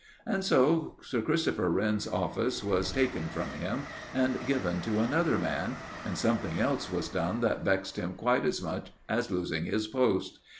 And so Sir Christopher Wren's office was taken from him, and given to another man, and something else was done that vexed him quite as much as losing his post.